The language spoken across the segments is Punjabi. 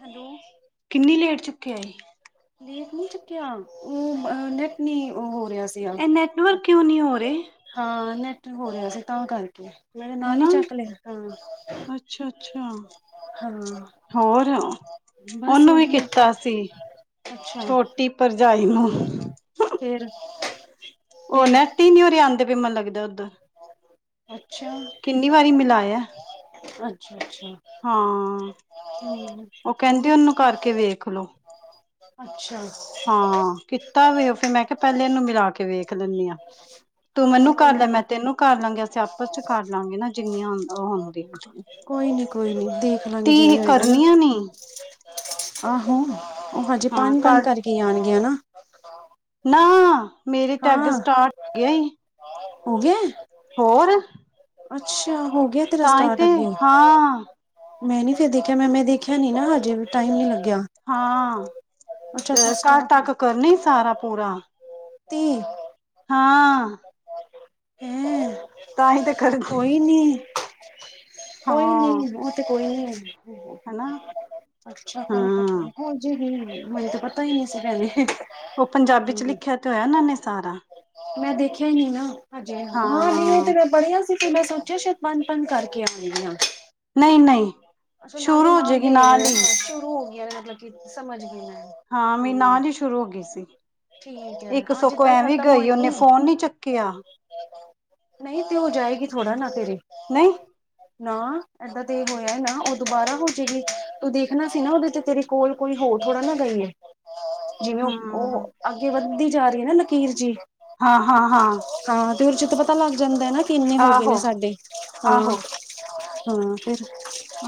ਹੈਲੋ ਕਿੰਨੀ ਲੇਟ ਚੁੱਕਿਆ ਏ। ਲੇਟ ਨੀ ਚੁੱਕਿਆ ਓ ਨੈਟ ਨੀ ਓ ਹੋ ਰਿਹਾ ਸੀ। ਐ ਨੈਟਵਰਕ ਕਿਉਂ ਨੀ ਹੋ ਰੇ? ਹਾਂ ਨੈਟ ਹੋ ਰਿਹਾ ਸੀ ਤਾਂ ਕਰਕੇ। ਮੈਂ ਤੇ ਨਾਲ ਈ ਹਨਾ ਚੱਕ ਲਿਆ ਹਾਂ ਅੱਛਾ ਅੱਛਾ ਹਾਂ ਹੋਰ ਬਸ ਓਨੂੰ ਵੀ ਵਧੀਆ ਕੀਤਾ ਸੀ। ਅੱਛਾ ਛੋਟੀ ਭਰਜਾਈ ਨੂੰ। ਫੇਰ ਓ ਫੇਰ ਨੇਟ ਈ ਨੀ ਓਰੇ ਆਂਦੇ ਪਏ ਮੈਨੂੰ ਲੱਗਦਾ ਓਧਰ। ਅੱਛਾ ਕਿੰਨੀ ਵਾਰੀ ਮਿਲਾਇਆ ਅੱਛਾ ਅੱਛਾ ਹਾਂ ਹਮ ਓ ਕਹਿੰਦੇ ਹੋਰ ਓਨੂੰ ਕਰਕੇ ਵੇਖ ਲੋੋ। ਅੱਛਾ ਹਾਂ ਕੀਤਾ ਵੇ ਓ ਫਿਰ ਮੈਂ ਕਿਆ ਪਹਿਲੇ ਏਨੂੰ ਮਿਲਾ ਕੇ ਵੇਖ ਲੈਂਣੀ ਆਂ। ਤੂੰ ਹਾਂ ਹਾਂ ਮੈਨੂੰ ਕੋਈ ਕਰ ਲੈ ਮੈਂ ਨੀ ਤੈਨੂੰ ਕਰ ਲਾਂਗੀ। ਅਸੀਂ ਆਪਸ 'ਚ ਕਰ ਲਵਾਂਗੇ ਨਾ ਜਿੰਨੀਆਂ ਉਹ ਹੁੰਦੀਆਂ। ਕੋਈ ਨੀ ਕੋਈ ਨੀ ਦੇਖ ਲਾਂਗੇ ਤੀਹ ਜਿਵੇਂ ਹੋਏਗਾ ਨਾ। ਕਰਨੀਆਂ ਨੀ ਆਹੋ ਓ ਹਜੇ ਹਾਂ ਪੰਜ-ਪੰਜ ਕਰ ਕਰਕੇ ਈ ਆਣਗੀਆਂ ਨਾ। ਨਾ ਮੇਰੀ ਟੈੱਗ ਹਾਂ ਸਟਾਰਟ ਹੋਗੀਆਂ ਈ। ਹੋ ਗਿਆ ਐ। ਹੋਰ ਅੱਛਾ ਹੋ ਗਿਆ। ਤੇਰਾ ਤਾਂ ਈ ਸਟਾਰਟ ਤੇ ਅੱਗੇ ਹਾਂ ਮੈਂ ਨੀ ਫੇਰ ਦੇਖਿਆ। ਮੈਂ ਦੇਖਿਆ ਨੀ ਨਾ ਹਜੇ ਟਾਈਮ ਨੀ ਲੱਗਿਆ। ਹਾਂ ਅੱਛਾ ਅੱਛਾ ਕੱਲ ਸਟਾਰਟ ਹੋ ਤੱਕ ਕਰਨਾ ਈ ਸਾਰਾ ਪੂਰਾ। [unintelligible] ਹਾਂ ਹੈਂ ਤਾਂ ਹੀ ਤੇ ਕਰਦੀ ਕੋਈ ਨੀ। ਕੋਈ ਹਾਂ ਨੀ ਓ ਤੇ ਕੋਈ ਨੀ। ਹਨਾ ਅੱਛਾ ਕੱਲ ਤੱਕ- ਹਾਂ ਹੋ ਜੇ ਗੀ। ਮੈਨੂੰ ਤੇ ਪਤਾ ਈ ਨੀ ਸੀ ਭੈਣੇ। ਉਹ ਪੰਜਾਬੀ ਚ ਲਿਖਿਆ ਤੇ ਹੋਇਆ ਨਾ ਉਹਨਾਂ ਨੇ ਸਾਰਾ। ਮੈਂ ਦੇਖਿਆ ਹਾਂ, ਨਹੀਂ ਉਹ ਤੇ ਹਾਂ ਮੈਂ ਪੜਿਆ ਸੀ ਕਿੰਨਾ ਸਾਰਾ। ਓ ਸ਼ਾਇਦ ਪੰਜ ਪੰਜ ਕਰਕੇ ਆਣੇ ਆ। ਨਹੀਂ ਨਹੀਂ ਅੱਛਾ ਸ਼ੁਰੂ ਨਾਲੋਂ ਹੋ ਨਾਲ ਜਾਏਗੀ ਦੇ ਰਹੇ ਆ, ਹੀ ਸ਼ੁਰੂ ਹੋ ਗਿਆ ਦਾ ਮਤਲਬ। ਸਮਝ ਗਈ ਮੈਂ। ਹਾਂ ਮੇਰੀ ਹੂੰ ਨਾਲ ਸ਼ੁਰੂ ਹੋ ਗਈ ਸੀ, ਠੀਕ ਹੈ ਇੱਕ ਅੱਜ ਸਗੋਂ ਏਦਾਂ ਹੀ ਐਵੇ ਖਤਮ ਗਈ ਹੋਏਗੀ ਉਹਨੇ ਫੋਨ ਨੀ ਚੱਕ ਨਹੀਂ ਤੇ ਹੋ ਜਾਏਗੀ ਥੋੜਾ ਨਾ ਤੇਰੀ ਨਹੀਂ ਨਾ ਏਦਾਂ ਤੇ ਇਹ ਹੋਇਆ ਨਾ ਉਹ ਦੁਬਾਰਾ ਹੋ ਜਾਏਗੀ, ਤੂੰ ਦੇਖਣਾ ਸੀ ਨਾ ਉਹਦੇ ਚ ਤੇਰੀ ਕੋਲ ਕੋਈ ਹੋਰ ਥੋੜਾ ਨਾ ਗਈ ਏ। [inaudible] ਜਿਵੇਂ ਉਹ ਹੂੰ ਉਹ ਅੱਗੇ ਵੱਧਦੀ ਜਾ ਰਹੀ ਆ ਨਾ ਲਕੀਰ ਜੀ। ਹਾਂ ਹਾਂ ਹਾਂ। ਹਾਂ ਤੇ ਉਹਦੇ ਚ ਤਾਂ ਪਤਾ ਲੱਗ ਜਾਂਦਾ ਨਾ ਇੰਨੇ ਹੋ ਗਏ ਆਹੋ ਨੇ ਸਾਡੇ ਹਾਂ। ਆਹੋ ਹਾਂ ਫਿਰ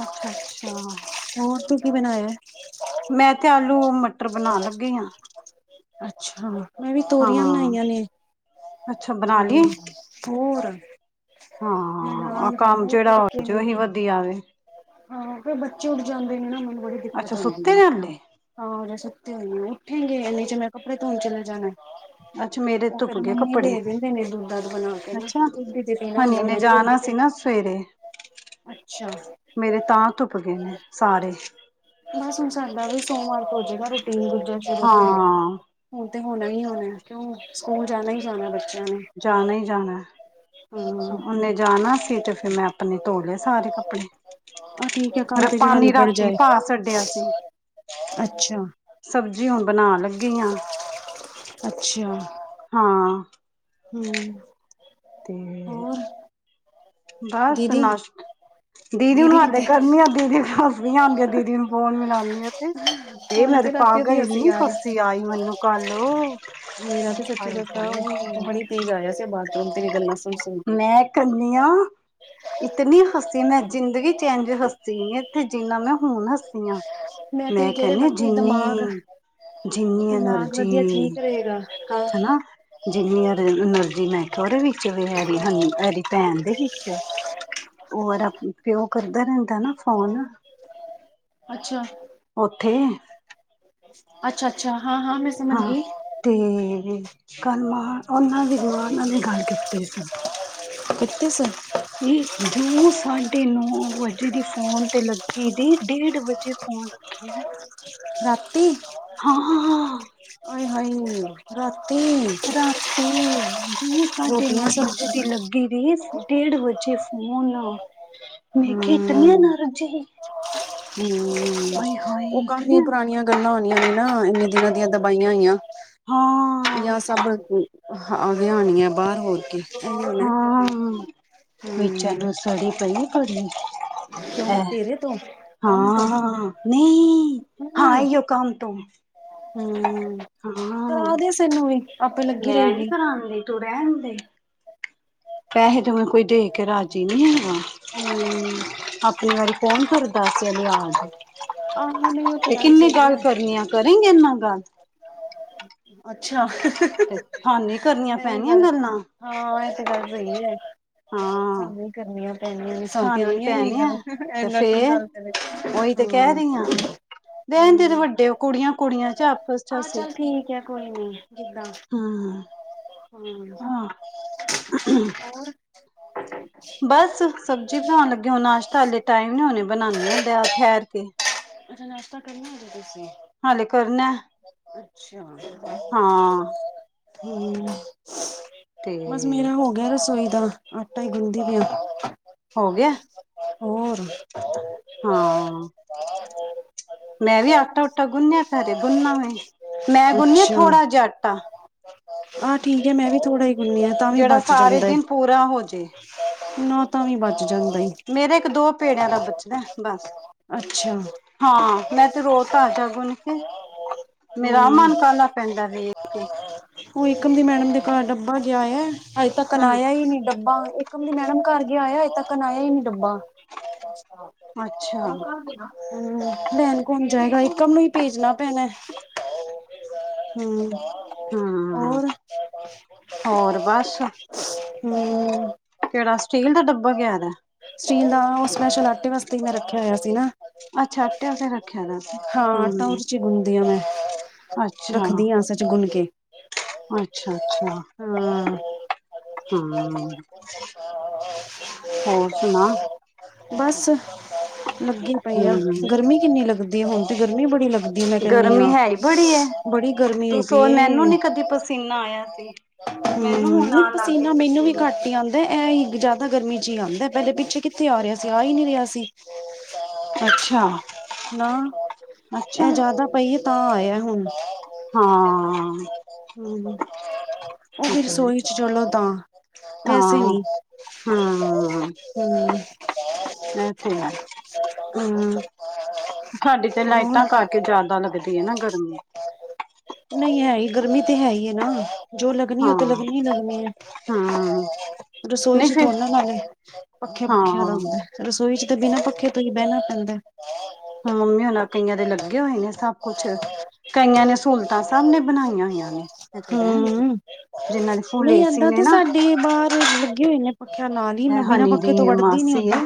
ਅੱਛਾ ਅੱਛਾ। ਹੋਰ ਤੂੰ ਕੀ ਬਣਾਇਆ ਐ? ਮੈਂ ਤੇ ਆਲੂ ਮਟਰ ਬਣਾਣ ਲੱਗੀ ਆ ਅੱਛਾ, ਮੈਂ ਵੀ ਹਾਂ ਤੋਰੀਆਂ ਬਣਾਈਆਂ ਨੇ ਅੱਛਾ ਬਣਾ ਤੇ ਲਈਏ ਹੋਰ ਨਾਲ, ਔ ਤੜਕੇ ਨੇ। ਕਿ ਆਵੇ ਹਾਂ, ਫਿਰ ਬੱਚੇ ਉੱਠ ਜਾਂਦੇ ਨੇ ਨਾ, ਮੈਨੂੰ ਬੜੀ ਦਿੱਕਤ ਅੱਛਾ ਹੁੰਦੀ ਸੁੱਤੇ ਆ। ਨੇ ਹਲੇ, ਹਾਂ ਅਜੇ ਸੁੱਤੇ ਹੋਏ ਨੇ, ਉੱਠੇਗੇ, ਐਨੇ ਚ ਮੈਂ ਕੱਪੜੇ ਧੋਣ ਚਲੇ ਜਾਣਾ। ਅੱਛਾ ਮੇਰੇ ਉਹ ਧੁੱਪ ਫੇਰ ਗਏ ਮੰਮੀ ਕੱਪੜੇ, ਦੇ ਦਿੰਦੇ ਨੇ ਦੁੱਧ ਦਧ ਬਣਾ ਕੇ ਨਾ, ਅੱਛਾ। ਦੁੱਧ ਤੇ ਪੀਣਾ ਹਨੀ ਹੁੰਦਾ ਉਹਨਾਂ ਨੇ, ਰੋਟੀ ਜਾਣਾ ਤੇ ਸੀ ਨਾ ਸਵੇਰੇ ਅੱਛਾ। ਮੇਰੇ ਤਾਂ ਧੁਪ ਗਏ ਨੇ, ਸਾਰੇ। ਬਸ ਹੁਣ, ਸਾਡਾ ਵੀ ਸੋਮਵਾਰ ਤੋ ਹੋਜੇਗਾ ਰੂਟੀਨ ਦੂਜਾ ਸ਼ੁਰੂ ਹਾਂ, ਹੁਣ ਤੇ ਹੋਣਾ ਹੀ ਹੋਣਾ, ਕਿਉਂ ਸਕੂਲ ਜਾਣਾ ਹੀ ਜਾਣਾ, ਬੱਚਿਆਂ ਨੇ। ਜਾਣਾ ਹੀ ਜਾਣਾ। ਹਾਂ ਓਨੇ ਜਾਣਾ ਸੀ, ਤੇ ਫਿਰ ਮੈਂ ਆਪਣੇ ਧੋ ਲਿਆ ਸਾਰੇ ਕੱਪੜੇ। ਆਹ ਠੀਕ ਹੈ ਕੰਮ ਫੇਰ ਤੇ ਜਿਹੜਾ ਪਾਣੀ ਨਿਬੜ ਰਾਤੀ ਜਾਏ ਪਾ ਛੱਡਿਆ ਸੀ। ਅੱਛਾ, ਸਬਜ਼ੀ ਹੁਣ ਬਣਾਣ ਲੱਗੀ ਆ, ਅੱਛਾ। ਹਾਂ। ਹੂ। ਤੇ ਹੋਰ? ਬਸ ਦੀਦੀ ਨਾਸ਼ਕ ਦੀਦੀ ਨੂੰ ਹਾਲੇ ਕਰਨੀ ਆ, ਦੀਦੀ ਨੂੰ ਹੱਸ ਪੈਂਦੀ ਆ ਦੀਦੀ ਨੂੰ ਫੋਨ ਮਲਾਣੀ ਆ ਤੇ। ਏ ਹੁਣ ਮੈਂ ਤੇ ਰਾਤੀ ਉਹਦੀ ਪਾਗਲ, ਹਸੀ ਇੰਨੀ ਆ ਖੁਸੀ ਰਹੀ ਆਈ ਮੈਨੂੰ ਕੱਲ, ਆ ਮੇਰਾ ਤੇ ਸੱਚੀ ਹਾਏ ਦੱਸਾਂ ਹਾਏ। ਬੜੀ ਤੇਜ਼ ਆਇਆ ਸੀ ਬਾਥਰੂਮ, ਤੇ ਵੀ ਗੱਲਾਂ ਸੁਣ ਸੁਣ ਕੇ। ਕਰਨੀ ਆ। ਇਤਨੀ ਹੱਸੀ, ਮੈਂ ਜ਼ਿੰਦਗੀ ਚ ਐਂਝ ਹੱਸੀ ਨਹੀਂ ਇੱਥੇ, ਜਿੰਨਾ ਮੈਂ ਹੁਣ ਹੱਸੀ ਆ। ਤੇ ਮੈਂ ਜਿਹੜੇ ਕਹਿੰਨੀ ਬੱਚੇ ਜਿੰਨੀ, ਦਿਮਾਗ ਜਿੰਨੀ ਐਨਰਜੀ ਤੇਰਾ ਹਾ। ਜਿੰਨੀ ਐਦੇ ਵਿਚ ਅਰਨਰਜੀ, ਮੈਂ ਤੁਹਾਡੇ ਵਿੱਚ ਵੀ ਹੈ। ਹੈ, ਐਦੀ ਭੈਣ ਦੇ ਵਿੱਚ, ਉਹ ਪਿਓ ਕਰਦਾ ਰਹਿੰਦਾ ਨਾ। ਫੋਨ। ਅੱਛਾ। ਉੱਥੇ। ਅੱਛਾ ਅੱਛਾ ਹਾਂ ਹਾਂ ਮੈਂ ਸਮਝ ਹਾਂ ਗਈ ਤੇ ਗੱਲ ਆ, ਉਹਨਾਂ ਦੀ ਮਾਂ ਨਾਲ ਵੀ ਗੱਲ ਕੀਤੀ ਸਾ ਕਿੱਤੀ ਸਾ ਇਹ ਜੋ ਸਾਢੇ ਨੌ ਵਜੇ ਦੀ ਫੋਨ ਤੇ ਲੱਗੀ ਦੀ, ਡੇਢ ਵਜੇ ਫੋਨ ਰੱਖਿਆ ਰਾਤੀ, ਹਾਂ ਆਏ ਹਾਏ ਰਾਤੀ ਰਾਤੀ, ਜੋ ਸਾਢੇ ਨੌ ਰੋਟੀਆਂ ਸਭ ਵਜੇ ਦੀ ਲੱਗੀ ਦੀਦੀ, ਡੇਢ ਵਜੇ ਫੋਨ ਮੈਂ ਕਿਹਾ, ਇਤਨੀਆਂ ਨਾ ਰੁੱਝੇ ਹੂ, ਉਹ ਕਾਫੀਆਂ ਪੁਰਾਣੀਆਂ ਗੱਲਾਂ ਆਉਣੀਆਂ ਨੇ ਨਾ, ਇੰਨੇ ਦਿਨਾਂ ਦੀਆਂ ਦਬਾਈਆਂ ਹੋਈਆਂ ਹਾਂ ਜਾਂ ਸਭ ਆਦਿਆਂ ਹੋਣੀਏ ਹਾਂ ਹਮ ਚ ਸੜੀ ਪਈ ਬੜੀ ਕਿਉਂ ਹੈ, ਤੇਰੇ ਤੋਂ ਹਾਂ, ਨਹੀਂ ਹੂ ਹਾਂ ਇਹੀਓ ਕੰਮ ਤੋਂ ਹੂ ਹਾਂ ਕਰਾ ਦੇਸ ਇਹਨੂੰ ਵੀ, ਆਪੇ ਲੱਗੀ ਰਹੇਗੀ ਤੁ ਰਹਿਣ ਦੇ ਪੈਸੇ ਤੋਂ ਵੇਂ ਕੋਈ, ਦੇ ਕੇ ਰਾਜੀ ਨੀ ਹਮ ਆਪਣੀ ਵਾਰੀ ਕੋਨ ਕਰਦਾ ਸਾਨੂੰ ਯਾਦ ਆਹੋ [unintelligible] ਕਰੇਗੀ ਮੇਰੇ ਨਾਲ ਗੱਲ ਅੱਛਾ ਤੇ ਤੁਹਾਨੂੰ ਹੀ ਕਰਨੀਆਂ ਇਹ ਵੀ ਪੈਣੀਆਂ ਗੱਲ ਗੱਲਾਂ ਹਾਂ ਇਹ ਤੇ ਗੱਲ ਸਹੀ ਐ ਹਾਂ ਸਾਨੂੰ ਹੀ ਕਰਨੀਆਂ ਪੈਣੀਆਂ ਨੇ ਸਾਨੂੰ ਤੇ ਥਾਨੀ ਆਣੀਆਂ ਹੀ ਨਹੀਂ ਪੈਣੀਆਂ ਗੱਲ ਤੇ ਐਨਾ ਕੀ ਫੇਰ ਗੱਲ ਤੇ ਉਹੀ ਤੇ ਹਾਂ ਕਹਿ ਰਹੀ ਰਹਿੰਦੇ ਤੇ ਵੱਡੇ ਕੁੜੀਆਂ ਕੁੜੀਆਂ ਚ ਆਪ ਹਾਂ, ਚੱਲ ਠੀਕ ਆ ਕੋਈ ਨੀ ਜਿੱਦਾਂ ਹੂੰ ਹੂੰ, ਹਾਂ। ਹੋਰ ਬਸ ਸਬਜ਼ੀ ਬਣਾਣ ਲੱਗੇ ਹੁਣ ਨਾਸ਼ਤਾ ਹਾਲੇ ਟਾਈਮ ਨਾਲ ਨੀ ਬਣਾਦੀ ਆ ਠਹਿਰ ਕੇ ਅੱਛਾ ਨਾਸ਼ਤਾ ਕਰਨਾ ਹਜੇ ਤੁਸੀਂ ਹਾਲੇ ਕਰਨਾ ਐ ਅੱਛਾ ਹਾਂ ਹੂੰ, ਤੇ ਬਸ ਮੇਰਾ ਹੋ ਗਿਆ ਰਸੋਈ ਦਾ ਆਟਾ ਗੁਨਦੀ ਪਈ ਆ ਹੋ ਗਿਆ ਹੋਰ ਹਾਂ, ਮੈਂ ਵੀ ਆਟਾ ਉਟਾ ਗੁੰਨਿਆ ਹਲੇ ਗੁੰਨ ਨਾ ਵੈ ਮੈਂ ਗੁੰਨਿਆ ਅੱਛਾ ਥੋੜਾ ਜਿਹਾ ਆਟਾ ਆਹ ਠੀਕ ਹੈ ਮੈਂ ਵੀ ਥੋੜ੍ਹਾ ਹੀ ਗੁੰਨਿਆ ਤਾਂ ਵੀ ਜਿਹੜਾ ਬਚ ਸਾਰੇ ਜਾਂਦਾ ਦਿਨ ਪੂਰਾ ਹੋ ਜੇ ਨੋ ਤਾਂ ਓਇ ਬਚ ਜਾਂਦਾ ਜੀ ਮੇਰੇ ਇੱਕ ਦੋ ਪੇੜਿਆਂ ਦਾ ਬਚਦਾ ਬਸ ਅੱਛਾ ਹਾਂ, ਮੈਂ ਤੇ ਰੋਜ਼ ਤਾਂਜਾ ਗੁੰਨ ਕੇ ਮੇਰਾ ਹੂੰ ਮਨ ਕਰਨਾ ਪੈਂਦਾ ਵੀ ਉਹ ਏਕਮ ਦੀ ਮੈਡਮ ਦੇ ਘਰ ਡੱਬਾ ਗਿਆ ਹੋਇਆ ਅਜੇ ਤੱਕ ਹੂੰ ਆਇਆ ਹੀ ਨੀ ਡੱਬਾ ਏਕਮ ਦੀ ਮੈਡਮ ਘਰ ਗਿਆ ਹੋਇਆ ਅਜੇ ਤੱਕਨ ਆਇਆ ਹੀ ਨੀ ਡੱਬਾ ਅੱਛਾ ਹੂੰ, ਲੈਣ ਕੋਣ ਜਾਏਗਾ ਏਕਮ ਨੂੰ ਹੀ ਭੇਜਣਾ ਪੈਣਾ ਹੂੰ ਹੋਰ ਹੂੰ ਹੋਰ ਬਸ ਕਿਹੜਾ ਸਟੀਲ ਦਾ ਡੱਬਾ ਗਿਆ ਨਾ ਸਟੀਲ ਦਾ ਸਪੈਸ਼ਲ ਆਟੇ ਵਾਸਤੇ ਮੈਂ ਰੱਖਿਆ ਹੋਇਆ ਸੀ ਨਾ ਅੱਛਾ ਆਟੇ ਆਸਤੇ ਰੱਖਿਆ ਦਾ ਸੀ ਹਾਂ! ਆਟਾ ਹੂੰ ਓਦੇ ਚ ਹੀ ਗੁਣਦੀ ਆ ਮੈਂ ਅੱਛਾ ਰੱਖਦੀ ਆ ਓਸੇ ਚ ਗੁਨ ਕੇ। ਅੱਛਾ! ਅੱਛਾ! ਹਾਂ ਹੂੰ! ਹੋਰ ਸੁਣਾ? ਬਸ ਅ ਲੱਗੀ, ਪਈ ਆ। ਹੂੰ ਗਰਮੀ ਕਿੰਨੀ ਲੱਗਦੀ ਏ, ਹੁਣ ਤੇ ਗਰਮੀ ਬੜੀ ਲੱਗਦੀ, ਮੈਂ ਕਹਿੰਨੀ ਆ। ਗਰਮੀ ਹੈ ਹੀ ਬੜੀ ਐ। ਤੂੰ ਸੋਚ ਮੈਨੂੰ ਨੀ ਕਦੀ ਪਸੀਨਾ ਆਇਆ ਸੀ। ਹੂੰ! ਮੈਨੂੰ ਹੁਣ ਨਹੀਂ ਆਣ ਲੱਗ ਗਏ ਪਸੀਨਾ ਮੈਨੂੰ ਵੀ ਪਸੀਨੇ। ਘੱਟ ਹੀ ਆਂਦਾ। ਐ ਇਹ ਹੀ ਗ ਜ਼ਿਆਦਾ ਗਰਮੀ 'ਚ ਹੀ ਆਂਦਾ, ਪਹਿਲੇ ਪਿੱਛੇ ਕਿੱਥੇ ਆ ਰਿਹਾ ਸੀ ਆ ਹੀ ਨੀ ਰਿਹਾ ਸੀ। ਅੱਛਾ-ਅੱਛਾ ਨਾ! ਐਹ ਜ਼ਿਆਦਾ। ਪਈ ਏ, ਤਾਂ ਆਇਆ ਹੁਣ। ਹਾਂ! ਆ। ਹਮ ਉਹ ਵੀ ਰਸੋਈ 'ਚ ਚਲੋ ਤਾਂ ਵੈਸੇ ਹੂੰ ਨੀ। ਹੂੰ! ਐਹ ਤੇ ਹੈ। ਸਾਡੀ ਤੇ ਹੋਰ ਲਾਈਟਾਂ ਕਰਕੇ ਜ਼ਿਆਦਾ ਲੱਗਦੀ। ਐ ਨਾ ਗਰਮੀ। ਨਹੀਂ! ਹੈਈ ਗਰਮੀ, ਤੇ ਹੈਈ ਐ ਨਾ। ਜੋ ਲਗਨੀ ਏ ਉਹ ਹਾਂ ਤੇ ਲਗਣੀ ਹੀ ਲੱਗਣੀ ਐ। ਹੂੰ ਰਸੋਈ ਨਹੀਂ ਚ ਫਿਰ ਥੋੜੇ ਨਾ ਲਾਨੇ, ਪੱਖਿਆਂ- ਪੁਖਿਆਂ ਦਾ ਹਾਂ ਹੁੰਦਾ। ਰਸੋਈ ਚ ਤਾਂ ਬਿਨਾਂ, ਪੱਖੇ ਤੋਂ ਹੀ ਬਹਿਣਾ ਪੈਂਦਾ ਐ। ਹੂੰ, ਮੰਮੀ ਹੋਣਾ, ਕਈਆਂ ਦੇ ਲੱਗੇ ਹੋਏ ਨੇ ਸਬ। ਕੁਛ, ਕਈਆਂ ਨੇ ਸਹੂਲਤਾਂ ਸਭ ਨੇ ਬਣਾਈਆਂ ਹੋਈਆਂ ਨੇ, ਵੈ ਤੂੰ ਰਹਿਣ ਦੇ। ਹੂੰ ਜਿੰਨਾਂ ਦੇ ਫੂਲ ਏਸੀ ਨੇ ਨਾ। ਆ ਰੇ ਲੱਗੇ ਹੋਏ ਨੇ ਪੱਖਿਆਂ ਨਾਲ ਹੀ, ਮੈਂ ਬਿਨਾਂ ਹਨੀ ਪੱਖੇ ਤੋਂ ਦੀ ਵੜਦੀ ਨੀ ਓਦਾਂ।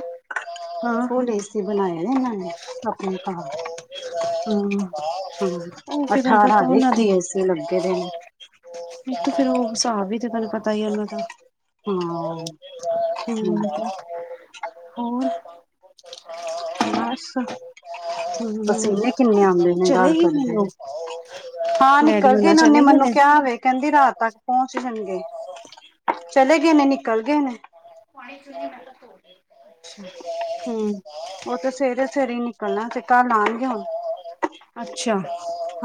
ਹਾਂ! ਕੀ ਬਣਾਇਆ ਨੇ ਇਹਨਾਂ ਨੇ ਆਪਣੇ ਘਾਰ। ਹਾਂ! ਅ ਹੂੰ, ਅਠਾਰਾ ਹਰੇਕ ਦੇ ਹੀ ਏਸੀ ਲੱਗੇ ਨੇ। ਇੱਕ ਤੋਂ ਫੇਰ ਉਹ ਹਿਸਾਬ ਵੀ, ਤੇ ਤੈਨੂੰ ਪਤਾ ਹੀ ਉਹਨਾਂ ਦਾ। ਨਿਰਭੋ ਹਾਂ ਨਿਰਵੈਰ ਅਕਾਲ ਮੂਰਤ ਅਜੂਨੀ ਸਹਿ ਭੰਗ। ਹੂੰ! ਹੋਰ? ਬਸ, ਹੂੰ ਪਸੀਨੇ ਕਿੰਨੇ ਆਉਂਦੇ ਨੇ, ਦਾਲ ਚਲੇ ਗਏ ਧਰਦੇ ਨੇ ਉਹ ਹੋਏ। ਹਾਂ, ਡੈਡੀ ਨਿਕਲ ਗੇ ਹੋਣਾ ਨਾ, ਉਹਨੇ ਚਲੇ ਗਏ ਮੈਨੂੰ ਨੇ ਕਿਆ ਵੇ, ਕਹਿੰਦੀ ਰਾਤ ਤੱਕ ਪਹੁੰਚ ਜਾਣਗੇ। ਚਲੇ ਗੇ ਨੇ, ਨਿਕਲ ਗਏ ਨੇ। ਪਾਣੀ ਪੀਣੀ ਮੈ ਤੇ ਧੋ ਦੇ। ਅੱਛਾ, ਹੂੰ। ਉਹ ਤੇ ਸਵੇਰੇ-ਸਵੇਰੇ ਹੀ ਨਿਕਲਣਾ ਤੇ ਕੱਲ ਆਣਗੇ ਹੁਣ।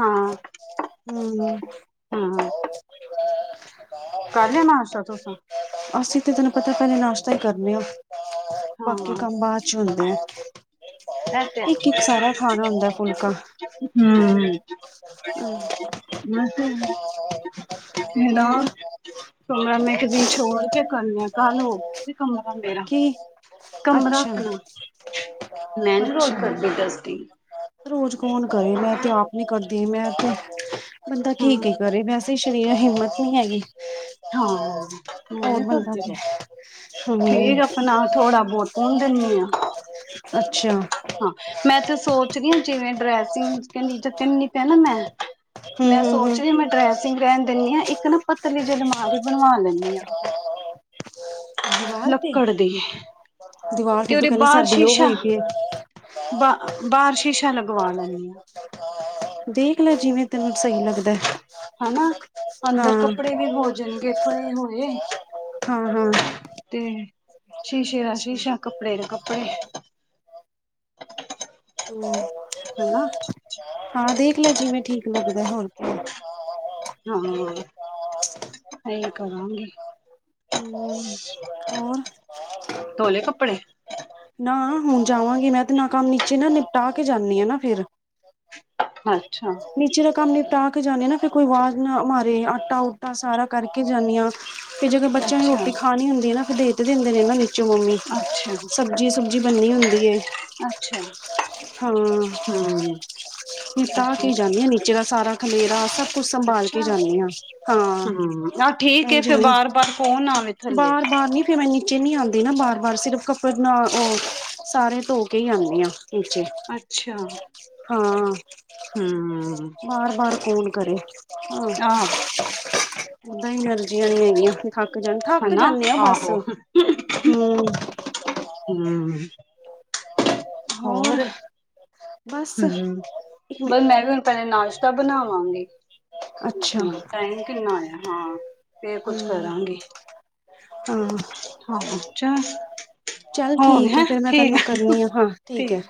ਹਾਂ ਹੂੰ। ਹਾਂ ਨਿਰਵੈਰ। ਕਰ ਲਿਆ। ਨਾਸ਼ਤਾ ਤੁਸਾਂ? ਅਸੀਂ, ਤੇ ਤੈਨੂੰ ਪਤਾ ਪਹਿਲੇ ਨਾਸ਼ਤਾ ਹੀ ਕਰਨੇ ਆ। ਬਾਕੀ ਹਾਂ ਕੰਮ ਬਾਅਦ ਚ ਹੁੰਦੇ ਆ। ਇੱਕ-ਇੱਕ ਸਾਰਾ ਖਾਣਾ ਹੁੰਦਾ। ਫੁਲਕਾ ਹੂੰ, ਮੈ ਤੇ ਨੇ ਦਾ। ਹੋਰ ਕਮਰਾ ਮੈਂ ਇੱਕ ਦਿਨ ਛੋੜ ਕੇ ਕਰਨੀ ਆ। ਕੱਲ ਹੋ ਗਿਆ ਸੀ। ਕਮਰਾ ਮੇਰਾ। ਕੀ। ਕਮਰਾ ਆਪਣਾ, ਅੱਛਾ-ਅੱਛਾ ਮੈਂ ਨੀ ਰੋਜ਼ ਕਰਦੀ ਡਸਟਿੰਗ। ਰੋਜ਼ ਕੌਣ ਕਰੇ, ਮੈਂ ਤੇ ਆਪ ਨੀ ਕਰਦੀ। ਮੈਂ ਤੇ ਬੰਦਾ ਹੂੰ ਕੀ- ਕੀ ਕਰੇ। ਵੈਸ ਸਰੀਰਾ ਚ ਹਿੰਮਤ ਹੀ ਨੀ ਹੈਗੀ। ਹਾ, ਮੈ ਹੋਰ ਨੀ ਬੰਦਾ ਕਰਦੀ। ਹੂੰ ਰ ਠੀਕ ਆ ਆਪਣਾ ਥੋੜਾ ਬਹੁਤ ਪਾਉਣ ਦਿਨੀਂ ਆ। ਅੱਛਾ ਹਾਂ, ਮੈਂ ਤੇ ਸੋਚਦੀ ਹਾਂ। ਜਿਵੇਂ ਡਰੈਸਿੰਗ ਚ ਕਿਨੀ ਜ ਕਿੰਨੀ ਕਿਤਾ, ਨਾ ਮੈਂ ਮੈਂ ਹੂੰ-ਹੂੰ-ਹੂੰ ਸੋਚ ਰਹੀ ਆ, ਮੈਂ ਡਰੈਸਿੰਗ ਰਹਿਣ ਦਿਨੀਂ ਆ ਇੱਕ ਨਾ ਪਤਲੀ ਜੀ ਅਲਮ- ਸਾਰੀ, ਬਣਵਾ ਲੈਂਦੀ ਹਾਂ, ਦੀਵਾਰ ਤੇ ਲੱਕੜ ਦੀ। ਦੀਵਾਰ ਤੇ ਫੇਰ ਤੁ ਉਹਦੇ ਕਹਿੰਦੀ, ਸਾਡੀ ਉਹ ਹੋਈ ਪੀਏ। ਬ ਬਾਰ ਸ਼ੀਸ਼ਾ ਲਗਵਾ ਲੈਂਦੀ ਹਾਂ। ਦੇਖ ਲੈ ਜਿਵੇਂ, ਤੈਨੂੰ ਸਹੀ ਲੱਗਦਾ। ਹਨਾ ਅੰਦਰ ਕੱਪੜੇ ਵੀ ਹਾਂ, ਹੋ ਜਾਣਗੇ ਪਏ ਹੋਏ ਹਾਂ। ਤੇ ਹੂੰ। ਸ਼ੀਸ਼ੇ ਦਾ ਸ਼ੀਸ਼ਾ, ਕੱਪੜੇ ਦੇ ਕੱਪੜੇ। ਹੂੰ। ਹਨਾ। ਹਾਂ ਦੇਖ ਲੈ, ਜਿਵੇਂ ਠੀਕ ਲੱਗਦਾ ਹੋਰ ਕੀ। ਹਾਂ, ਇਹੀ ਕਰਾਂਗੀ। ਹੂੰ ਹੋਰ? ਕੱਪੜੇ ਨਾ ਹੁਣ ਜਾਵਾਂਗੀ ਮੈਂ ਤੇ ਅਪਨਾ ਕੰਮ ਹੀ ਵਿੱਚ ਨਾ ਨਿਪਟਾ ਕੇ ਜਾਂਦੀ ਆ ਨਾ ਫੇਰ। ਅੱਛਾ। ਨੀਚੇ ਦਾ ਕੰਮ ਨਿਪਟਾ ਕੇ ਜਾਂਦੀ ਹਾਂ ਨਾ। ਫੇਰ, ਕੋਈ ਆਵਾਜ਼ ਨਾ ਮਾਰੇ ਆਟਾ- ਉਟਾ ਸਾਰਾ ਕਰਕੇ ਜਾਂਦੀ ਹਾਂ। ਫੇਰ ਜਦੋਂ ਬੱਚਿਆਂ ਨੂੰ ਅੱਛਾ, ਰੋਟੀ ਖਾਣੀ ਹੁੰਦੀ ਆ। ਨਾ ਫੇਰ ਭੇਜ ਦਿੰਦੇ ਨੇ ਨਾ ਨੀਚੋਂ ਮੰਮੀ। ਅੱਛਾ, ਸ- ਸਬਜ਼ੀ- ਸੁਬਜ਼ੀ ਬਣਨੀ ਹੁੰਦੀ ਏ। ਅੱ ਹਾਂ, ਨਿਪਟਾ ਕੇ ਈ ਜਾਣੀ ਆ ਨੀਚੇ ਦਾ ਸਾਰਾ। ਖਲੇਰਾਂ ਸਭ ਕੁ ਸੰਭਾਲ ਕੇ ਜਾਣੀ ਆ, ਹਾਂ, ਹੂੰ ਆ ਠੀਕ ਏ ਇਝ ਫਿਰ ਨਈ, ਬਾਰ-ਬਾਰ ਫੋਨ ਆਵੇ ਥੱਲੇ ਬਾਰ-ਬਾਰ ਨੀ ਮੈਂ ਨੀਚੇ ਨੀ ਆਉਂਦੀ ਨਾ ਬਾਰ- ਬਾਰ। ਸਿਰਫ ਕੱਪੜ ਨਾਲੇ ਉਹ ਸਾਰੇ ਧੋ ਕੇ ਹੀ ਆਉਂਦੀ ਹਾ। ਈਚੇ, ਅੱਛਾ ਹਾਂ। ਹੂੰ ਬਾਰ-ਬਾਰ ਕੋਨ ਕਰੇ? ਆਂ। ਆਹ ਓਦਾਂ ਈ ਐਨਰਜੀਆਂ ਨਈ ਹੈਗੀਆਂ, ਥੱਕ ਜਨ, ਥਾਕ ਹਨਾ ਜਾਨੇ ਆ ਬਸ, ਆਹੋ ਹੂੰ। ਹੂੰ। ਹੋਰ? ਬਸ ਹੂੰ, ਇੱਕ ਬਸ ਮਿੰਟ ਮੈਂ ਵੀ ਹੁਣ ਪੈਲੇ ਨਾਸ਼ਤਾ ਬਣਾਵਾਂਗੀ। ਅੱਛਾ ਹੋਰ, ਟਾਈਮ ਕਿੰਨਾ ਹੋਯਾ? ਹਾਂ ਫੇਰ ਕੁਛ ਹੂੰ ਕਰਾਂਗੀ। ਹਾਂ। ਹਾਂ ਚੱਲ ਚੱਲ ਹੋਰ ਠੀਕ ਹੈ, ਫੇਰ ਮੈਂ ਠੀਕ ਤੈਨੂੰ ਏ, ਕਰਨੀ ਆ ਹਾਂ ਹੈ ਠੀਕ।